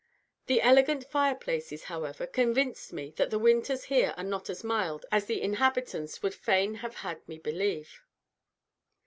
The elegant fire places, however, convinced me that the winters here are not as mild as the inhabitants would fain have had me believe.